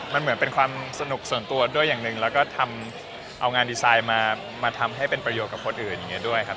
มันเหมือนเป็นความสนุกส่วนตัวด้วยอย่างหนึ่งแล้วก็ทำเอางานดีไซน์มาทำให้เป็นประโยชน์กับคนอื่นอย่างนี้ด้วยครับ